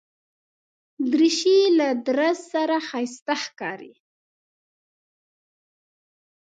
دریشي له درز سره ښایسته ښکاري.